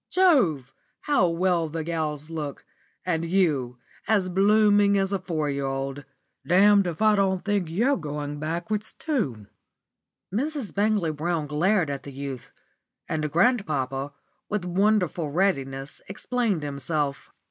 Jove! how well the gals look. And you as blooming as a four year old. D d if I don't think you're going backwards too!" Mrs. Bangley Brown glared at the youth, and grandpapa, with wonderful readiness, explained himself.